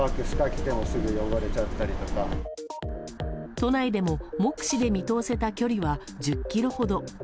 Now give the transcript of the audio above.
都内でも、目視で見通せた距離は１０ｋｍほど。